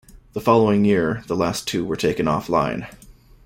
The following year, the last two were taken off-line.